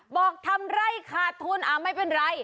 บอกทำไร่ขาดทุนไม่เป็นไร